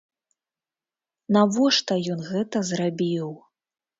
Навошта ён гэта зрабіў?